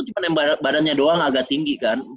cuma badannya doang agak tinggi kan